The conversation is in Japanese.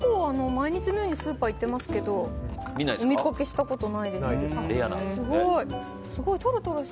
毎日のようにスーパー行ってますけどお見かけしたことないです。